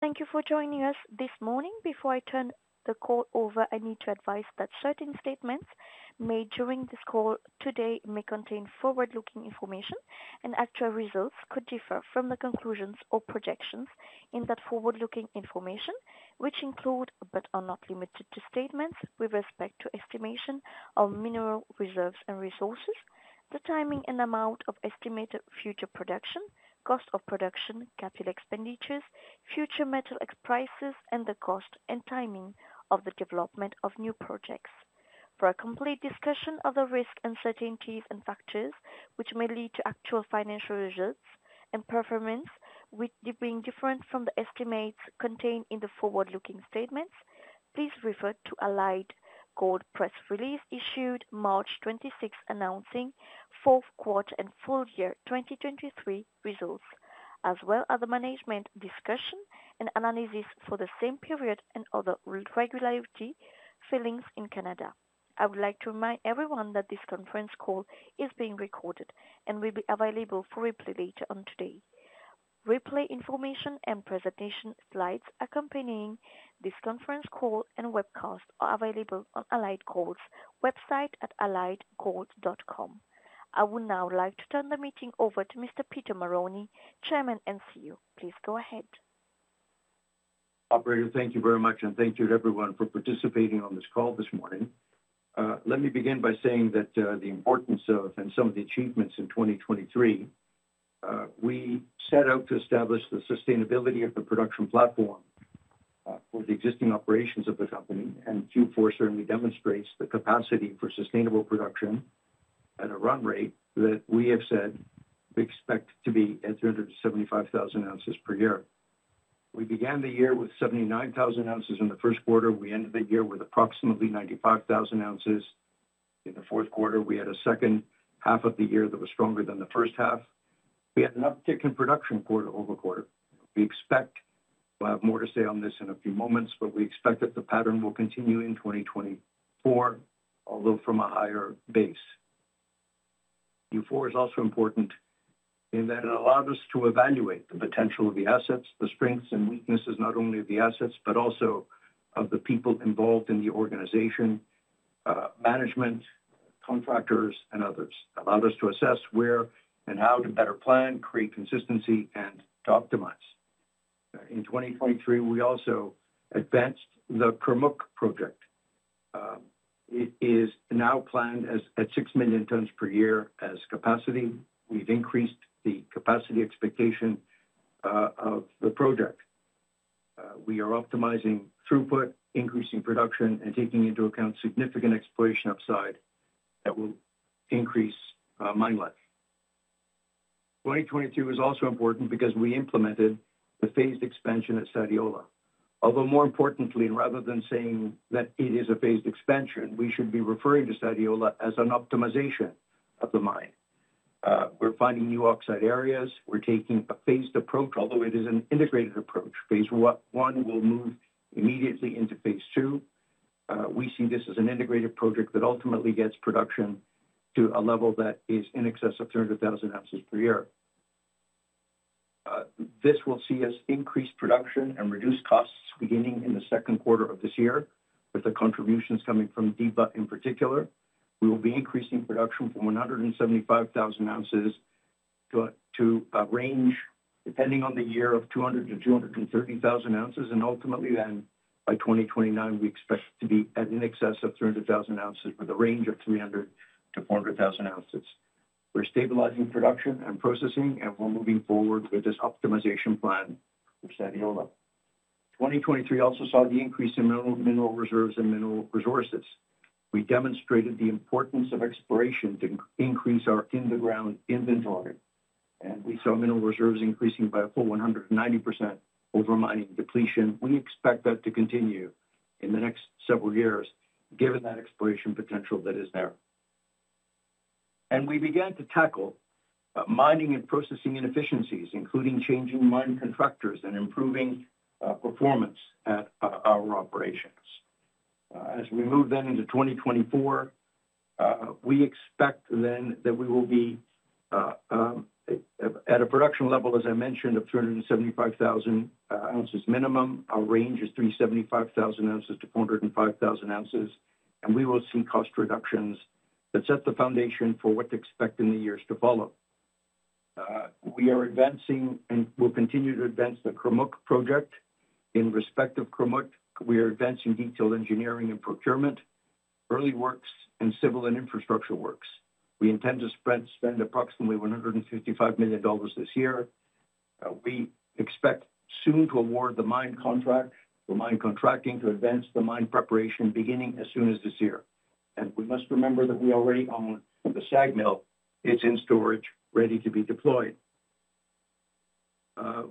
Thank you for joining us this morning. Before I turn the call over, I need to advise that certain statements made during this call today may contain forward-looking information, and actual results could differ from the conclusions or projections in that forward-looking information, which include, but are not limited to, statements with respect to estimation of mineral reserves and resources, the timing and amount of estimated future production, cost of production, capital expenditures, future metal prices, and the cost and timing of the development of new projects. For a complete discussion of the risks, uncertainties, and factors which may lead to actual financial results and performance, which may be different from the estimates contained in the forward-looking statements, please refer to Allied Gold press release issued March 26th, announcing fourth quarter and full year 2023 results, as well as the management discussion and analysis for the same period and other regulatory filings in Canada. I would like to remind everyone that this conference call is being recorded and will be available for replay later on today. Replay information and presentation slides accompanying this conference call and webcast are available on Allied Gold's website at alliedgold.com. I would now like to turn the meeting over to Mr. Peter Marrone, Chairman and CEO. Please go ahead. Operator, thank you very much, and thank you to everyone for participating on this call this morning. Let me begin by saying that, the importance of and some of the achievements in 2023, we set out to establish the sustainability of the production platform, for the existing operations of the company, and Q4 certainly demonstrates the capacity for sustainable production at a run rate that we have said we expect to be at 375,000 oz per year. We began the year with 79,000 oz in the first quarter. We ended the year with approximately 95,000 oz. In the fourth quarter, we had a second half of the year that was stronger than the first half. We had an uptick in production quarter-over-quarter. We expect, we'll have more to say on this in a few moments, but we expect that the pattern will continue in 2024, although from a higher base. Q4 is also important in that it allowed us to evaluate the potential of the assets, the strengths and weaknesses, not only of the assets, but also of the people involved in the organization, management, contractors, and others. Allowed us to assess where and how to better plan, create consistency, and to optimize. In 2023, we also advanced the Kurmuk project. It is now planned as, at 6 million tons per year as capacity. We've increased the capacity expectation of the project. We are optimizing throughput, increasing production, and taking into account significant exploration upside that will increase mine life. 2022 is also important because we implemented the phased expansion at Sadiola. Although more importantly, rather than saying that it is a phased expansion, we should be referring to Sadiola as an optimization of the mine. We're finding new oxide areas. We're taking a phased approach, although it is an integrated approach. Phase 1 will move immediately into Phase 2. We see this as an integrated project that ultimately gets production to a level that is in excess of 300,000 oz per year. This will see us increase production and reduce costs beginning in the second quarter of this year, with the contributions coming from Diba in particular. We will be increasing production from 175,000 oz to a range, depending on the year, of 200,000 oz-230,000 oz, and ultimately, then, by 2029, we expect to be at in excess of 300,000 oz with a range of 300,000 oz-400,000 oz. We're stabilizing production and processing, and we're moving forward with this optimization plan for Sadiola. 2023 also saw the increase in mineral reserves and mineral resources. We demonstrated the importance of exploration to increase our in-the-ground inventory, and we saw mineral reserves increasing by a full 190% over mining depletion. We expect that to continue in the next several years, given that exploration potential that is there. We began to tackle mining and processing inefficiencies, including changing mine contractors and improving performance at our operations. As we move then into 2024, we expect then that we will be at a production level, as I mentioned, of 375,000 oz minimum. Our range is 375,000 oz-405,000 oz, and we will see cost reductions that set the foundation for what to expect in the years to follow. We are advancing and will continue to advance the Kurmuk project. In respect of Kurmuk, we are advancing detailed engineering and procurement, early works in civil and infrastructure works. We intend to spend approximately $155 million this year. We expect soon to award the mine contract or mine contracting to advance the mine preparation, beginning as soon as this year. And we must remember that we already own the SAG mill. It's in storage, ready to be deployed.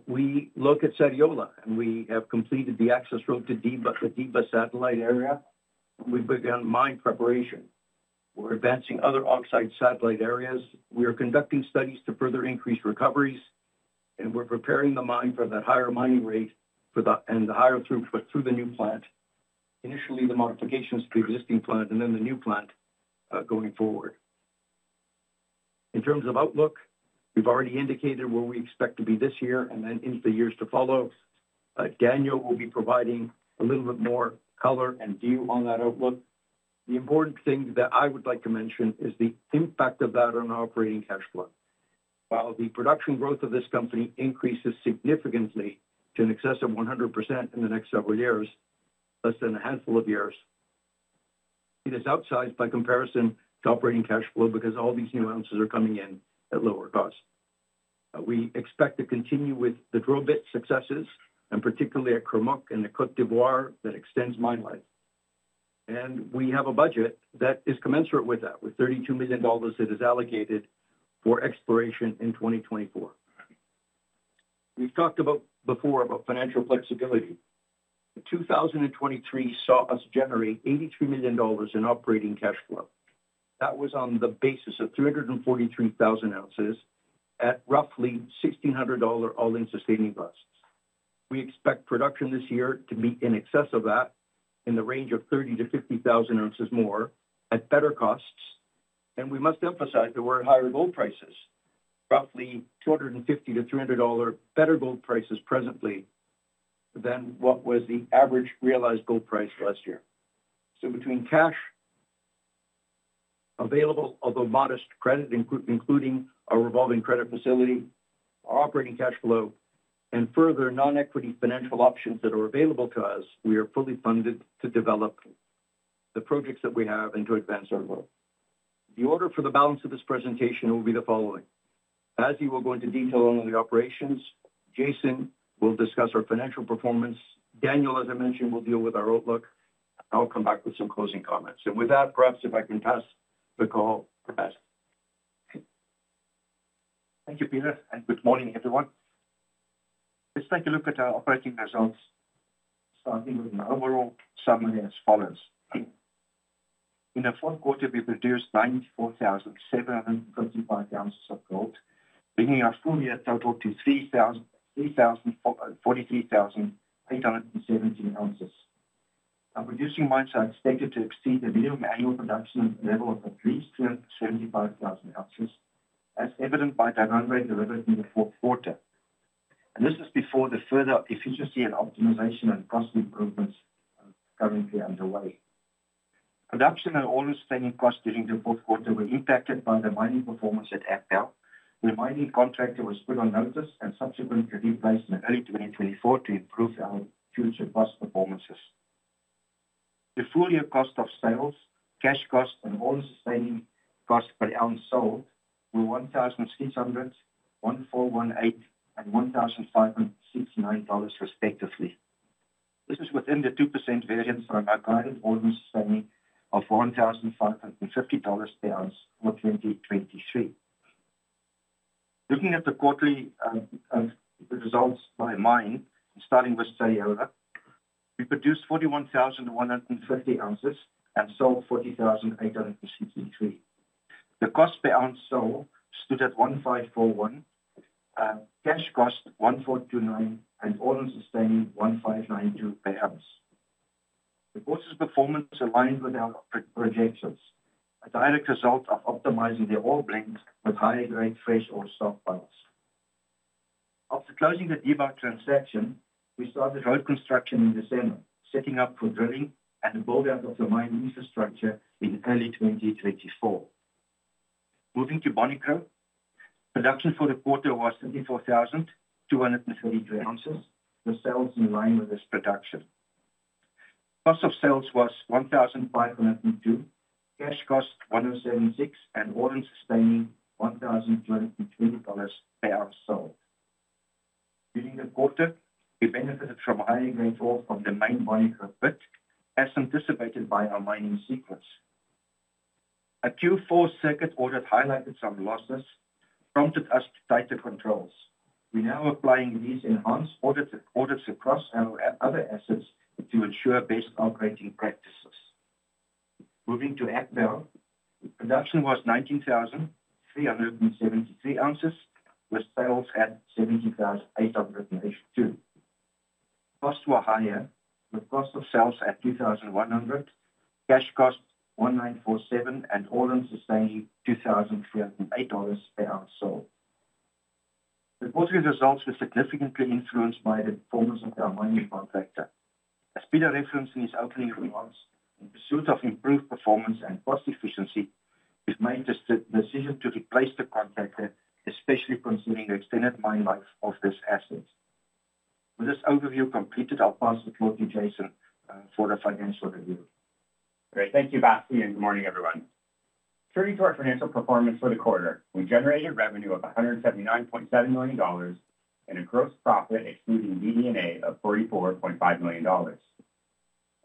We look at Sadiola, and we have completed the access road to Diba, the Diba satellite area. We've begun mine preparation. We're advancing other oxide satellite areas. We are conducting studies to further increase recoveries, and we're preparing the mine for that higher mining rate and the higher throughput through the new plant. Initially, the modifications to the existing plant and then the new plant, going forward. In terms of outlook, we've already indicated where we expect to be this year and then into the years to follow. Daniel will be providing a little bit more color and view on that outlook. The important thing that I would like to mention is the impact of that on our operating cash flow. While the production growth of this company increases significantly to in excess of 100% in the next several years, less than a handful of years, it is outsized by comparison to operating cash flow because all these new ounces are coming in at lower costs. We expect to continue with the drill bit successes, and particularly at Kurmuk and the Côte d'Ivoire, that extends mine life. And we have a budget that is commensurate with that, with $32 million that is allocated for exploration in 2024. We've talked about before about financial flexibility. The 2023 saw us generate $83 million in operating cash flow. That was on the basis of 343,000 oz at roughly $1,600 all-in sustaining costs. We expect production this year to be in excess of that, in the range of 30,000 oz-50,000 oz more at better costs, and we must emphasize that we're at higher gold prices. Roughly $250-$300 better gold prices presently than what was the average realized gold price last year. So between cash available, although modest credit, including our revolving credit facility, our operating cash flow, and further non-equity financial options that are available to us, we are fully funded to develop the projects that we have and to advance our work. The order for the balance of this presentation will be the following: Basie will go into detail on the operations, Jason will discuss our financial performance, Daniel, as I mentioned, will deal with our outlook, and I'll come back with some closing comments. And with that, perhaps if I can pass the call to Basie. Thank you, Peter, and good morning, everyone. Let's take a look at our operating results, starting with an overall summary as follows. In the fourth quarter, we produced 94,735 oz of gold, bringing our full year total to 343,817 oz. Our producing mines are expected to exceed the minimum annual production level of at least 275,000 oz, as evident by the run rate delivered in the fourth quarter. And this is before the further efficiency and optimization and cost improvements currently underway. Production and all-sustaining costs during the fourth quarter were impacted by the mining performance at Agbaou, where mining contractor was put on notice and subsequently replaced in early 2024 to improve our future cost performances. The full year cost of sales, cash costs, and all-in sustaining costs per ounce sold were $1,300, $1,418, and $1,569, respectively. This is within the 2% variance from our guided all-in sustaining of $1,550 per ounce for 2023. Looking at the quarterly results by mine, starting with Sadiola, we produced 41,150 oz and sold 40,863 oz. The cost per ounce sold stood at $1,541, cash cost $1,429, and all-in sustaining $1,592 per ounce. The quarter's performance aligned with our projections, a direct result of optimizing the ore blends with high-grade fresh ore stockpiles. After closing the Diba transaction, we started road construction in December, setting up for drilling and the build-out of the mine infrastructure in early 2024. Moving to Bonikro, production for the quarter was 74,233 oz, with sales in line with this production. Cost of sales was $1,502, cash cost $176, and all-in sustaining $1,220 per ounce sold. During the quarter, we benefited from high-grade ore from the main Bonikro pit, as anticipated by our mining sequence. A Q4 circuit audit highlighted some losses, which prompted us to tighter controls. We're now applying these enhanced audits across our other assets to ensure best operating practices. Moving to Agbaou, the production was 19,373 oz, with sales at 70,882 oz. Costs were higher, with cost of sales at $2,100, cash costs $1,947, and all-in sustaining $2,308 per ounce sold. The quarter's results were significantly influenced by the performance of our mining contractor. As Peter referenced in his opening remarks, in pursuit of improved performance and cost efficiency, we've made the decision to replace the contractor, especially considering the extended mine life of this asset. With this overview completed, I'll pass the floor to Jason for the financial review. Great. Thank you, Basie, and good morning, everyone. Turning to our financial performance for the quarter, we generated revenue of $179.7 million and a gross profit, excluding DD&A, of $44.5 million.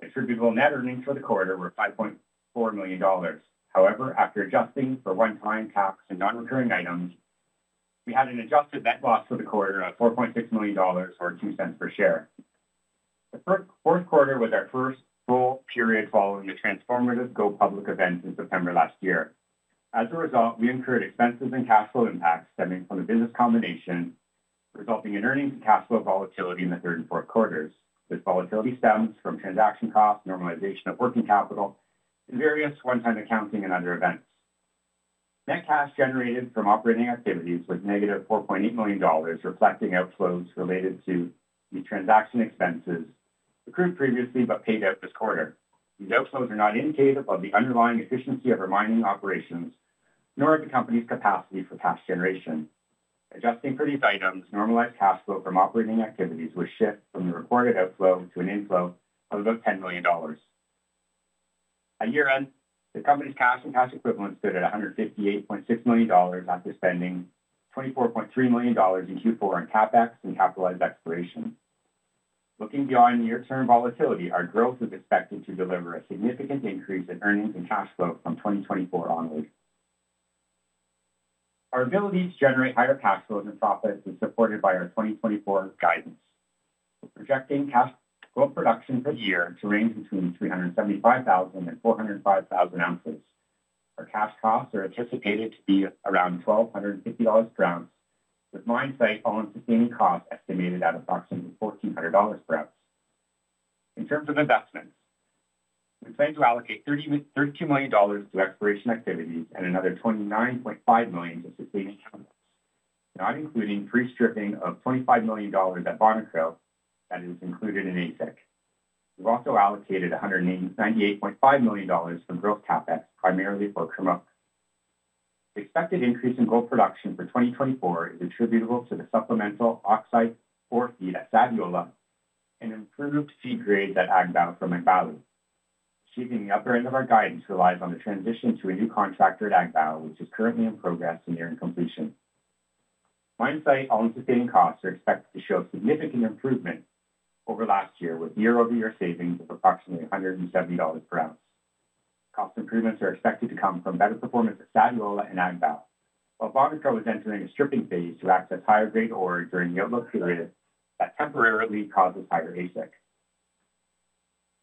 Attributable net earnings for the quarter were $5.4 million. However, after adjusting for one-time tax and non-recurring items, we had an adjusted net loss for the quarter of $4.6 million or $0.02 per share. The fourth quarter was our first full period following the transformative go-public event in September last year. As a result, we incurred expenses and cash flow impacts stemming from the business combination, resulting in earnings and cash flow volatility in the third and fourth quarters. This volatility stems from transaction costs, normalization of working capital, and various one-time accounting and other events. Net cash generated from operating activities was -$4.8 million, reflecting outflows related to the transaction expenses accrued previously, but paid out this quarter. These outflows are not indicative of the underlying efficiency of our mining operations, nor of the company's capacity for cash generation. Adjusting for these items, normalized cash flow from operating activities was shift from the recorded outflow to an inflow of about $10 million. At year-end, the company's cash and cash equivalents stood at $158.6 million, after spending $24.3 million in Q4 on CapEx and capitalized exploration. Looking beyond near-term volatility, our growth is expected to deliver a significant increase in earnings and cash flow from 2024 onwards. Our ability to generate higher cash flow and profits is supported by our 2024 guidance. We're projecting gold production for the year to range between 375,000 oz and 405,000 oz. Our cash costs are anticipated to be around $1,250 per ounce, with mine site all-in sustaining costs estimated at approximately $1,400 per ounce. In terms of investments, we plan to allocate $32 million to exploration activities and another $29.5 million to sustaining capital, not including pre-stripping of $25 million at Bonikro that is included in AISC. We've also allocated $198.5 million for growth CapEx, primarily for Kurmuk. The expected increase in gold production for 2024 is attributable to the supplemental oxide ore feed at Sadiola and improved feed grade at Agbaou from Agbaou. Achieving the upper end of our guidance relies on the transition to a new contractor at Agbaou, which is currently in progress and nearing completion. Mine site, all-in sustaining costs are expected to show a significant improvement over last year, with year-over-year savings of approximately $170 per ounce. Cost improvements are expected to come from better performance at Sadiola and Agbaou, while Bonikro is entering a stripping phase to access higher-grade ore during the outlook period that temporarily causes higher AISC.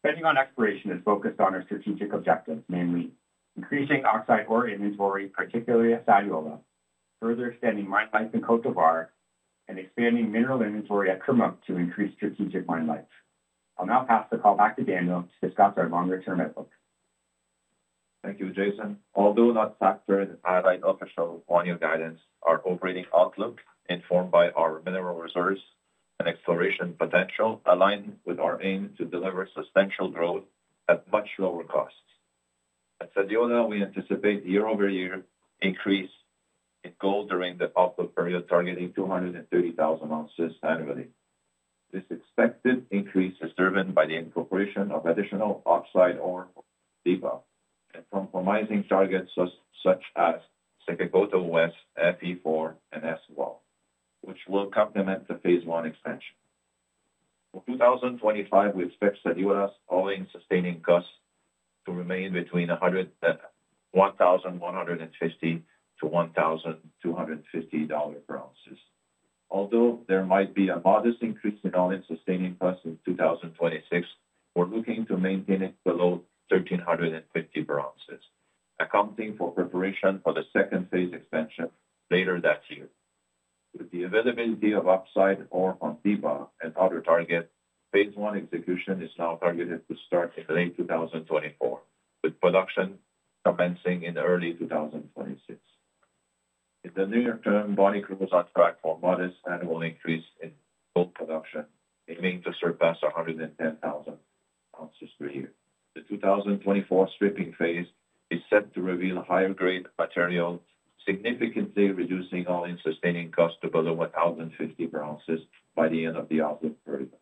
Spending on exploration is focused on our strategic objectives, namely, increasing oxide ore inventory, particularly at Sadiola, further extending mine life in Côte d'Ivoire, and expanding mineral inventory at Kurmuk to increase strategic mine life. I'll now pass the call back to Daniel to discuss our longer-term outlook. Thank you, Jason. Although not factored in our official annual guidance, our operating outlook, informed by our mineral reserves and exploration potential, aligns with our aim to deliver substantial growth at much lower costs. At Sadiola, we anticipate year-over-year increase in gold during the outlook period, targeting 230,000 oz annually. This expected increase is driven by the incorporation of additional oxide ore, Diba, and complementary targets such as Sekekoto West, FE4, and S12, which will complement the Phase 1 expansion. For 2025, we expect Sadiola's all-in sustaining costs to remain between $1,150-$1,250 per ounce. Although there might be a modest increase in all-in sustaining costs in 2026, we're looking to maintain it below $1,350 per ounce, accounting for preparation for the second phase expansion later that year. With the availability of oxide ore on Diba and other targets, phase one execution is now targeted to start in late 2024, with production commencing in early 2026. In the near term, Bonikro is on track for a modest annual increase in gold production, aiming to surpass 110,000 oz per year. The 2024 stripping phase is set to reveal higher-grade material, significantly reducing all-in sustaining costs to below $1,050 per ounce by the end of the outlook period.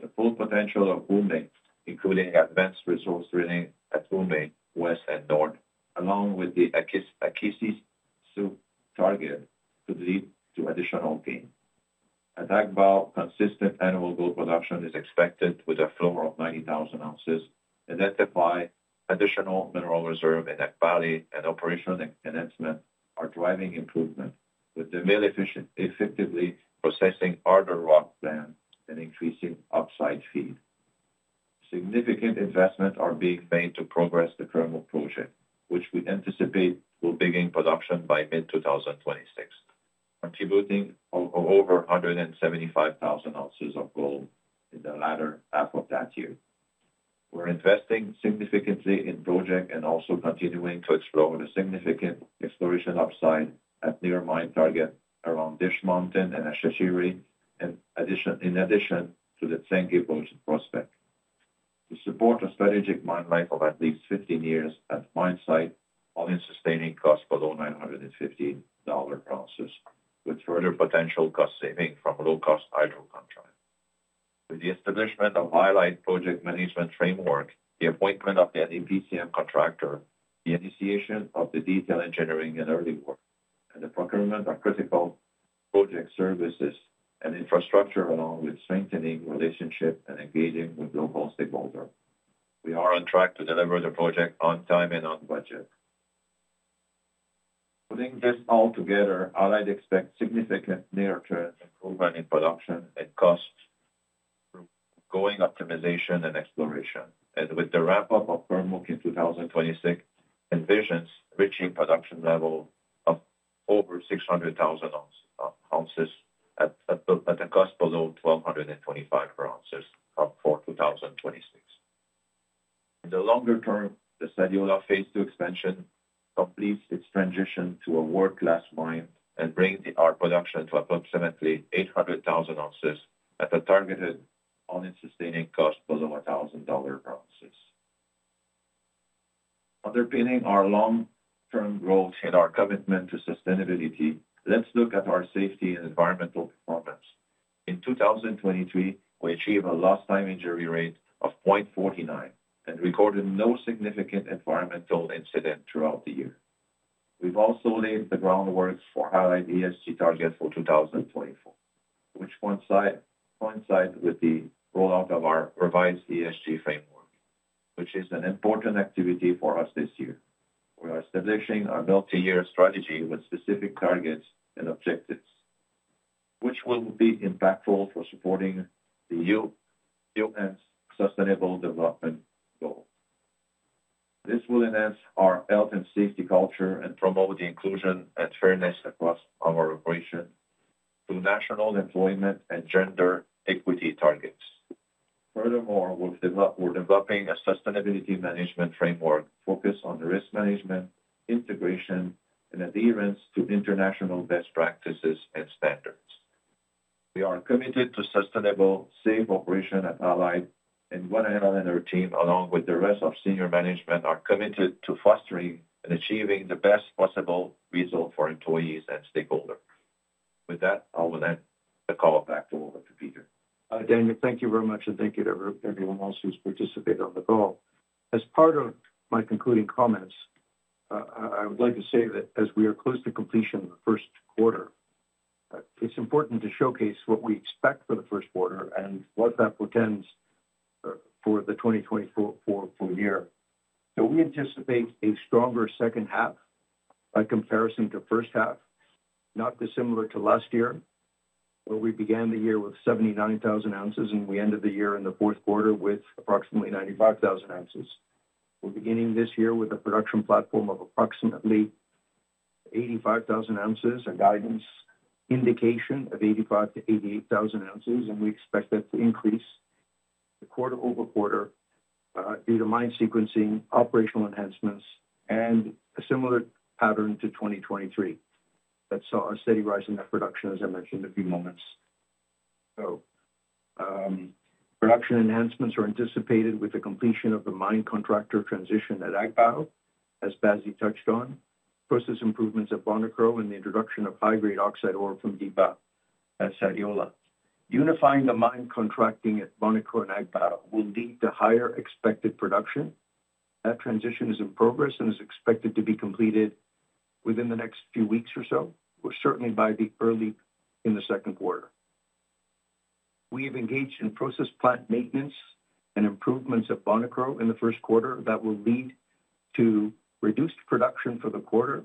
The full potential of Oumé, including advanced resource drilling at Oumé West and North, along with the Akissi-So target, could lead to additional gain. At Agbaou, consistent annual gold production is expected with a flow of 90,000 oz, identified additional mineral reserve in Agbaou, and operational enhancement are driving improvement, with the mill effectively processing harder rock than an increasing oxide feed. Significant investments are being made to progress the Kurmuk project, which we anticipate will begin production by mid-2026, contributing over 175,000 oz of gold in the latter half of that year. We're investing significantly in project and also continuing to explore the significant exploration upside at near mine target around Dish Mountain and Ashashire, and in addition to the Tsenge prospect. To support a strategic mine life of at least 15 years at mine site, all-in sustaining costs below $950 per ounce, with further potential cost saving from a low-cost hydro contract. With the establishment of Allied project management framework, the appointment of the EPCM contractor, the initiation of the detailed engineering and early work, and the procurement of critical project services and infrastructure, along with strengthening relationship and engaging with local stakeholders, we are on track to deliver the project on time and on budget. Putting this all together, Allied expects significant near-term improvement in production and cost, ongoing optimization and exploration. With the ramp-up of Kurmuk in 2026, envisions reaching production level of over 600,000 oz at a cost below $1,225 per oz for 2026. In the longer term, the Sadiola Phase 2 expansion completes its transition to a world-class mine and brings our production to approximately 800,000 oz at a targeted all-in sustaining cost below $1,000 per oz. Underpinning our long-term growth and our commitment to sustainability, let's look at our safety and environmental performance. In 2023, we achieved a lost time injury rate of 0.49 and recorded no significant environmental incident throughout the year. We've also laid the groundwork for highlight ESG targets for 2024, which coincide with the rollout of our revised ESG framework, which is an important activity for us this year. We are establishing our multi-year strategy with specific targets and objectives, which will be impactful for supporting the UN's sustainable development goal. This will enhance our health and safety culture and promote the inclusion and fairness across our operation through national employment and gender equity targets. Furthermore, we're developing a sustainability management framework focused on risk management, integration, and adherence to international best practices and standards. We are committed to sustainable, safe operation at Allied, and Gwennael and her team, along with the rest of senior management, are committed to fostering and achieving the best possible result for employees and stakeholders. With that, I will hand the call back over to Peter. Daniel, thank you very much, and thank you to everyone else who's participated on the call. As part of my concluding comments, I would like to say that as we are close to completion of the first quarter, it's important to showcase what we expect for the first quarter and what that portends for the 2024 full year. So we anticipate a stronger second half by comparison to first half, not dissimilar to last year, where we began the year with 79,000 oz, and we ended the year in the fourth quarter with approximately 95,000 oz. We're beginning this year with a production platform of approximately 85,000 oz and guidance indication of 85,000 oz-88,000 oz, and we expect that to increase quarter-over-quarter due to mine sequencing, operational enhancements, and a similar pattern to 2023, that saw a steady rise in that production, as I mentioned a few moments ago. Production enhancements are anticipated with the completion of the mine contractor transition at Agbaou, as Basie touched on, process improvements at Bonikro, and the introduction of high-grade oxide ore from Diba at Sadiola. Unifying the mine contracting at Bonikro and Agbaou will lead to higher expected production. That transition is in progress and is expected to be completed within the next few weeks or so, or certainly by early in the second quarter. We have engaged in process plant maintenance and improvements at Bonikro in the first quarter that will lead to reduced production for the quarter,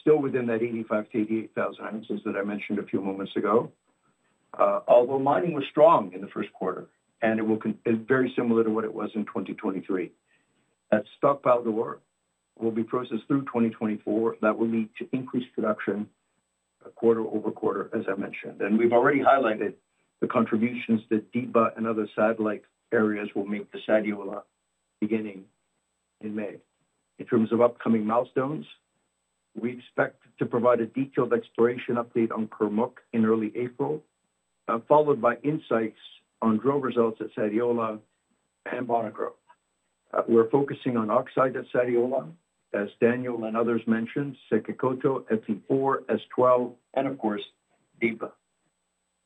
still within that 85,000 oz-88,000 oz that I mentioned a few moments ago. Although mining was strong in the first quarter, and it's very similar to what it was in 2023. That stockpile ore will be processed through 2024. That will lead to increased production, quarter-over-quarter, as I mentioned. We've already highlighted the contributions that Diba and other satellite areas will make to Sadiola beginning in May. In terms of upcoming milestones, we expect to provide a detailed exploration update on Kurmuk in early April, followed by insights on drill results at Sadiola and Bonikro. We're focusing on oxide at Sadiola, as Daniel and others mentioned, Sekekoto, FE4, S12, and of course, Diba.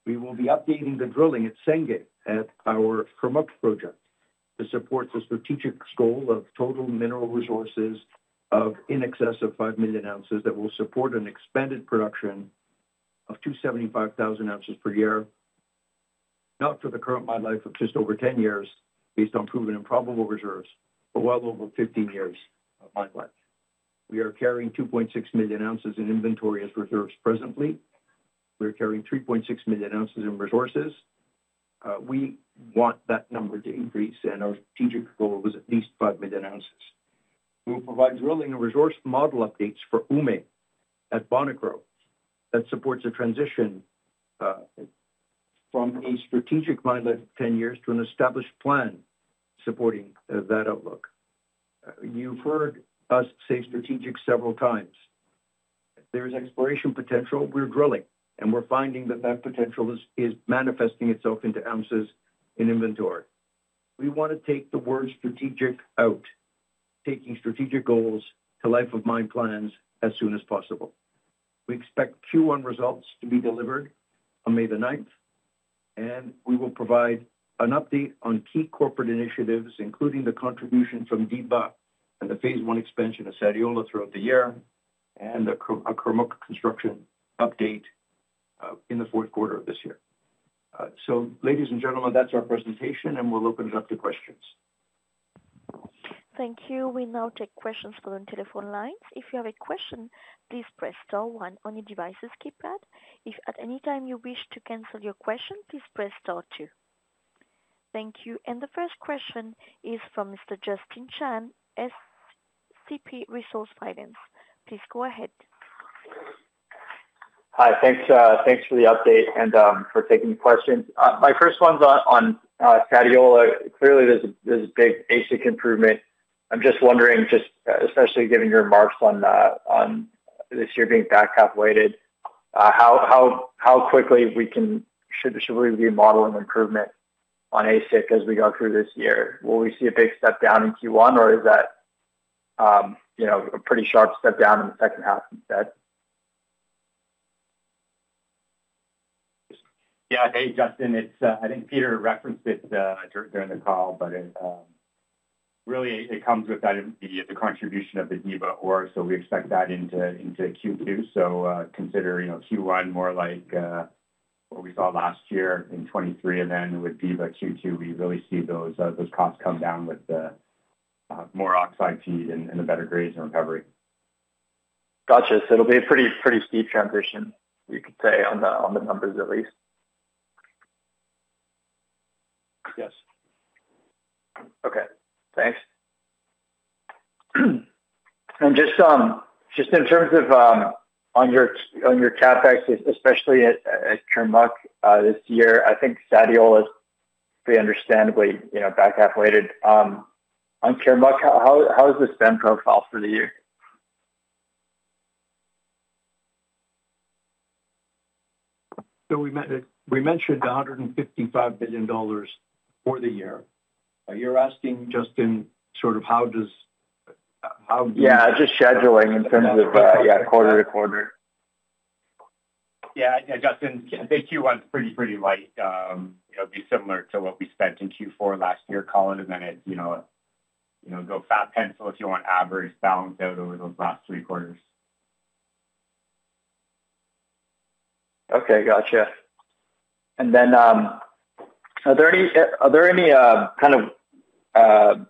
We will be updating the drilling at Tsengé at our Kurmuk project. This supports a strategic goal of total mineral resources of in excess of 5 million oz that will support an expanded production of 275,000 oz per year, not for the current mine life of just over 10 years, based on proven and probable reserves, but well over 15 years of mine life. We are carrying 2.6 million oz in inventory as reserves presently. We're carrying 3.6 million oz in resources. We want that number to increase, and our strategic goal was at least 5 million oz. We will provide drilling and resource model updates for Oumé at Bonikro that supports a transition from a strategic mine life of 10 years to an established plan supporting that outlook. You've heard us say strategic several times. If there is exploration potential, we're drilling, and we're finding that that potential is manifesting itself into ounces in inventory. We want to take the word strategic out, taking strategic goals to life of mine plans as soon as possible. We expect Q1 results to be delivered on May the 9th, and we will provide an update on key corporate initiatives, including the contribution from Diba and the Phase 1 expansion of Sadiola throughout the year, and a Kurmuk construction update in the fourth quarter of this year. So ladies and gentlemen, that's our presentation, and we'll open it up to questions. Thank you. We now take questions from the telephone lines. If you have a question, please press star one on your device's keypad. If at any time you wish to cancel your question, please press star two. Thank you. And the first question is from Mr. Justin Chan, SCP Resource Finance. Please go ahead. Hi, thanks, thanks for the update and, for taking the questions. My first one's on, on, Sadiola. Clearly, there's a, there's a big AISC improvement. I'm just wondering, just, especially given your remarks on, on this year being back half weighted, how, how, how quickly we can, should, should we be modeling improvement on AISC as we go through this year? Will we see a big step down in Q1, or is that, you know, a pretty sharp step down in the second half instead? Yeah. Hey, Justin, it's, I think Peter referenced it, during the call, but it, really, it comes with that, the, the contribution of the Diba ore, so we expect that into, into Q2. So, considering, you know, Q1 more like, what we saw last year in 2023, and then with Diba Q2, we really see those, those costs come down with the, more oxide feed and, and the better grades and recovery. Got you. So it'll be a pretty, pretty steep transition, we could say, on the, on the numbers at least? Yes. Okay, thanks. And just in terms of on your CapEx, especially at Kurmuk, this year, I think Sadiola is pretty understandably, you know, back half weighted. On Kurmuk, how is the spend profile for the year? So we mentioned the $155 billion for the year. You're asking, Justin, sort of how does, how do you. Yeah, just scheduling in terms of, quarter-to-quarter. Yeah. Yeah, Justin, I think Q1 is pretty, pretty light. It'll be similar to what we spent in Q4 last year, Colin, and then it, you know, you know, go fat pencil if you want average balanced out over those last three quarters. Okay, gotcha. And then, are there any kind of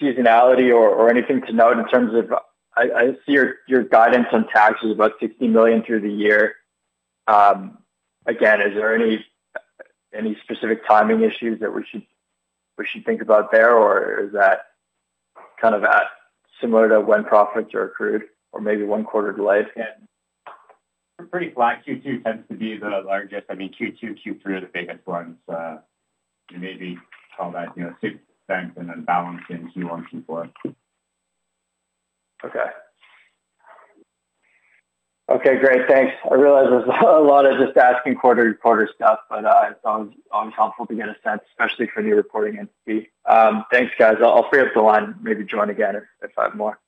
seasonality or anything to note in terms of, I see your guidance on tax is about $60 million through the year. Again, is there any specific timing issues that we should think about there, or is that kind of similar to when profits are accrued or maybe one quarter delayed? Yeah. Pretty flat. Q2 tends to be the largest. I mean, Q2, Q3 are the biggest ones. You maybe call that, you know, sixth bank and then balance in Q1, Q4. Okay. Okay, great. Thanks. I realize there's a lot of just asking quarter-to-quarter stuff, but, it's always, always helpful to get a sense, especially for new reporting entity. Thanks, guys. I'll free up the line, maybe join again if, if I have more.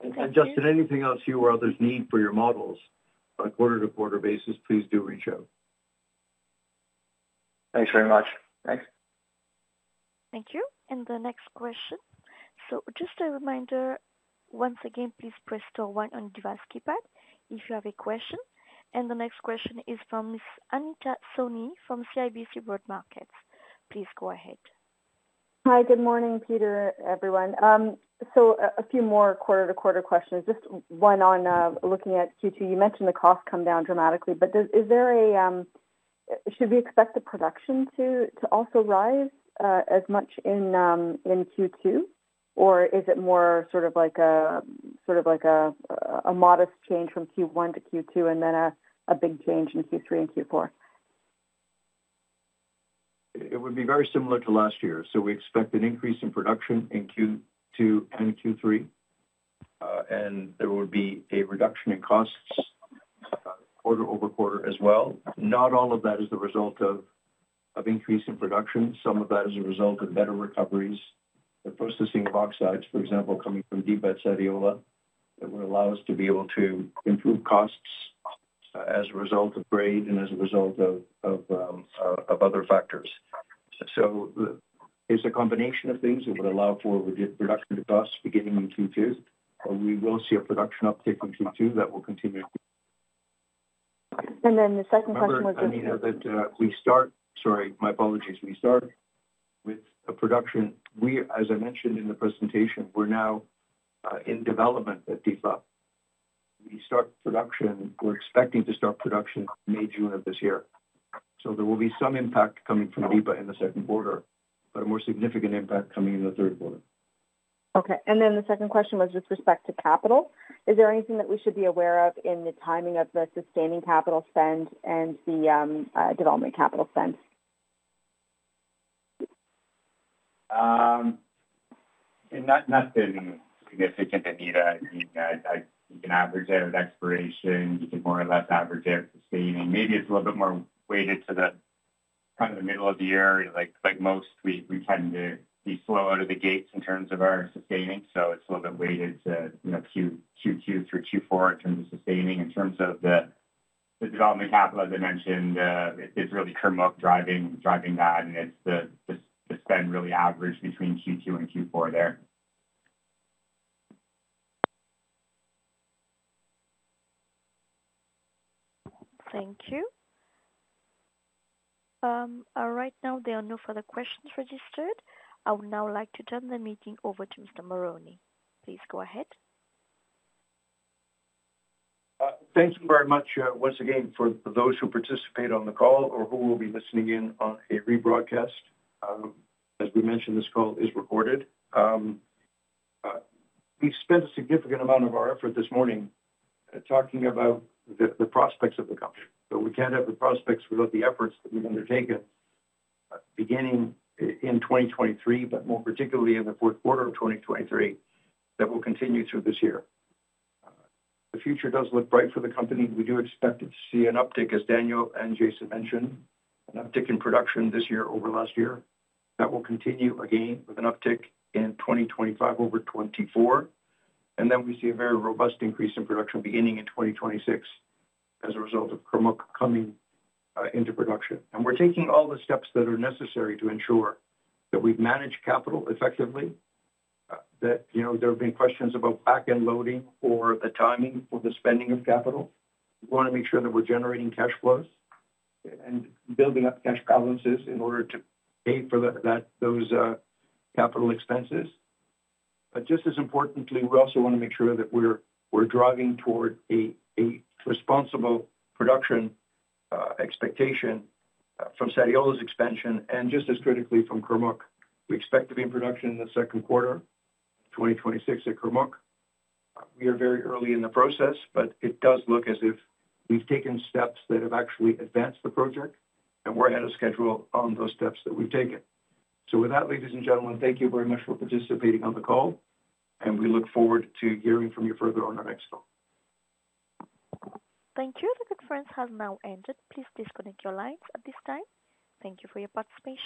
Thank you. Justin, anything else you or others need for your models on a quarter-to-quarter basis, please do reach out. Thanks very much. Thanks. Thank you. The next question. Just a reminder, once again, please press star one on your device keypad if you have a question. The next question is from Ms. Anita Soni from CIBC Capital Markets. Please go ahead. Hi, good morning, Peter, everyone. So a few more quarter-to-quarter questions. Just one on looking at Q2, you mentioned the costs come down dramatically, but does, is there a should we expect the production to also rise as much in Q2? Or is it more sort of like a sort of like a modest change from Q1 to Q2 and then a big change in Q3 and Q4? It would be very similar to last year. So we expect an increase in production in Q2 and Q3, and there will be a reduction in costs quarter-over-quarter as well. Not all of that is the result of increase in production. Some of that is a result of better recoveries, the processing of oxides, for example, coming from Diba, Sadiola, that will allow us to be able to improve costs as a result of grade and as a result of other factors. So it's a combination of things that would allow for a reduction in costs beginning in Q2, but we will see a production uptick in Q2 that will continue. And then the second question was. Anita, sorry, my apologies. We start with the production. We, as I mentioned in the presentation, we're now in development at Diba. We start production, we're expecting to start production May, June of this year. So there will be some impact coming from Diba in the second quarter, but a more significant impact coming in the third quarter. Okay, and then the second question was with respect to capital. Is there anything that we should be aware of in the timing of the sustaining capital spend and the development capital spend? Nothing, nothing significant, Anita. I mean, you can average out exploration, you can more or less average out sustaining. Maybe it's a little bit more weighted to the kind of the middle of the year. Like, like most, we, we tend to be slow out of the gates in terms of our sustaining, so it's a little bit weighted to, you know, Q2, Q2 through Q4 in terms of sustaining. In terms of the, the development capital, as I mentioned, it's really Kurmuk driving, driving that, and it's the, the, the spend really average between Q2 and Q4 there. Thank you. Right now there are no further questions registered. I would now like to turn the meeting over to Mr. Marrone. Please go ahead. Thank you very much, once again, for those who participate on the call or who will be listening in on a rebroadcast. As we mentioned, this call is recorded. We've spent a significant amount of our effort this morning talking about the prospects of the company, but we can't have the prospects without the efforts that we've undertaken, beginning in 2023, but more particularly in the fourth quarter of 2023, that will continue through this year. The future does look bright for the company. We do expect to see an uptick, as Daniel and Jason mentioned, an uptick in production this year over last year. That will continue again with an uptick in 2025 over 2024. And then we see a very robust increase in production beginning in 2026 as a result of Kurmuk coming into production. We're taking all the steps that are necessary to ensure that we've managed capital effectively, that, you know, there have been questions about back-end loading or the timing or the spending of capital. We want to make sure that we're generating cash flows and building up cash balances in order to pay for those capital expenses. But just as importantly, we also want to make sure that we're driving toward a responsible production expectation from Sadiola's expansion and just as critically from Kurmuk. We expect to be in production in the second quarter, 2026 at Kurmuk. We are very early in the process, but it does look as if we've taken steps that have actually advanced the project, and we're ahead of schedule on those steps that we've taken. With that, ladies and gentlemen, thank you very much for participating on the call, and we look forward to hearing from you further on our next call. Thank you. The conference has now ended. Please disconnect your lines at this time. Thank you for your participation.